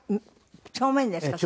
帳面ですか？